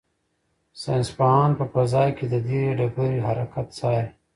ساینس پوهان په فضا کې د دې ډبرې حرکت څاري.